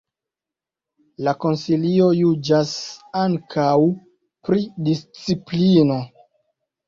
La Konsilio juĝas ankaŭ pri disciplino.